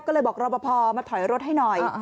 ก็เลยบอกรอปภมาถอยรถให้หน่อย